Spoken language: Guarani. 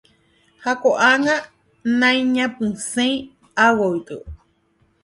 ha ko'ág̃a naiñapysẽi ágotyo.